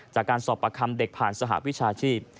จากการสอบประคำเด็กผ่านสหวิชาชีพ